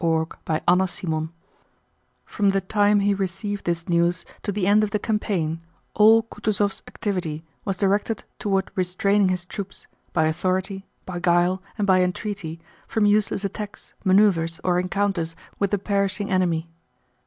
CHAPTER XVIII From the time he received this news to the end of the campaign all Kutúzov's activity was directed toward restraining his troops, by authority, by guile, and by entreaty, from useless attacks, maneuvers, or encounters with the perishing enemy.